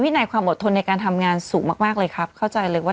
ในความอดทนในการทำงานสูงมากเลยครับเข้าใจเลยว่า